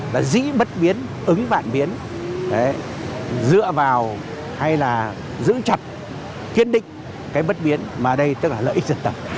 là dĩ bất biến ứng vạn biến dựa vào hay là giữ chặt kiên định cái bất biến mà đây tức là lợi ích dân tộc